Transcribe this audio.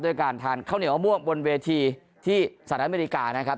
ด้วยการทานเข้าเหนียวม่วงบนเวทีที่สัตว์อเมริกานะครับ